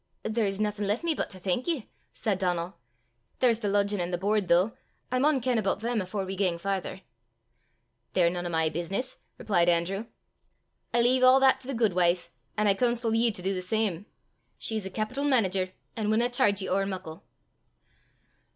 "There's naething left me but to thank ye," said Donal. "There's the ludgin' an' the boord, though! I maun ken aboot them afore we gang farther." "They're nane o' my business," replied Andrew. "I lea' a' that to the guidwife, an' I coonsel ye to du the same. She's a capital manager, an' winna chairge ye ower muckle."